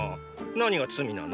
何が罪なの？